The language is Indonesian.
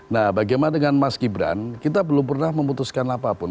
nah bagaimana dengan mas gibran kita belum pernah memutuskan apapun